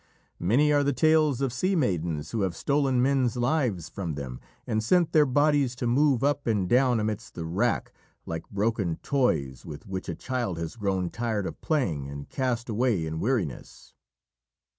Many are the tales of sea maidens who have stolen men's lives from them and sent their bodies to move up and down amidst the wrack, like broken toys with which a child has grown tired of playing and cast away in weariness.